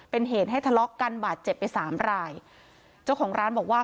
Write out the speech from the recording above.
เป็นเหตุให้ทะเลาะกันบาดเจ็บไปสามรายเจ้าของร้านบอกว่า